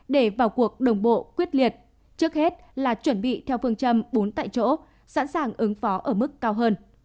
để vào cuộc đồng bộ quyết liệt trước hết là chuẩn bị theo phương châm bốn tại chỗ sẵn sàng ứng phó ở mức cao hơn